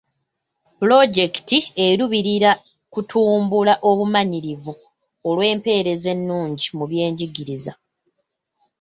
Pulojekiti eruubirira kutumbula obumanyirivu olw'empeereza ennungi mu byenjigiriza.